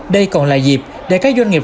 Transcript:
đây còn là dịp để các doanh nghiệp